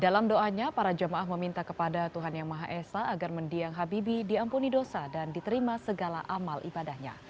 dalam doanya para jamaah meminta kepada tuhan yang maha esa agar mendiang habibie diampuni dosa dan diterima segala amal ibadahnya